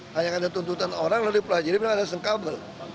hanya ada tuntutan orang lalu dipelajari dengan alasan kabel